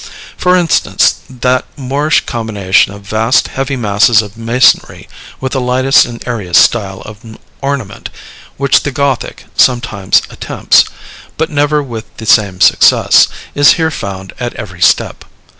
For instance, that Moorish combination of vast, heavy masses of masonry with the lightest and airiest style of ornament, which the Gothic sometimes attempts, but never with the same success, is here found at every step.